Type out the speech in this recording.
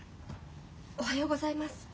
おはようございます。